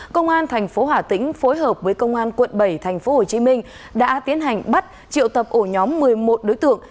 công an tp hỏa tĩnh phối hợp với công an quận bảy tp hồ chí minh đã tiến hành bắt triệu tập ổ nhóm một mươi một đối tượng